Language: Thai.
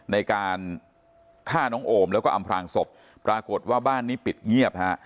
ในการฆ่าน้องโอมแล้วก็อำพลางศพปรากฏว่าบ้านนี้ปิดเงียบฮะ